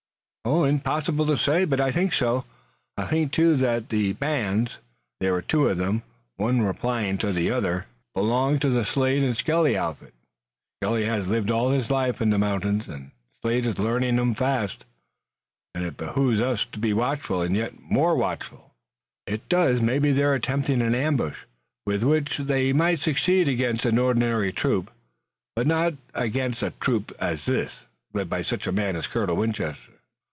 "It's impossible to say, but I think so. I think, too, that the bands there were two of them, one replying to the other belong to the Slade and Skelly outfit. Skelly has lived all his life in the mountains and Slade is learning 'em fast." "Then it behooves us to be watchful, and yet more watchful." "It does. Maybe they're attempting an ambush, with which they might succeed against an ordinary troop, but not against such a troop as this, led by such a man as Colonel Winchester.